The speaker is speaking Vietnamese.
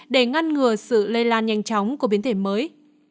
để ngăn ngừa sự lây lan nhanh chóng của biến thể mới